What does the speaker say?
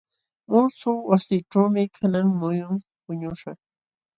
Muśhuq wasiićhuumi kanan muyun puñuśhaq.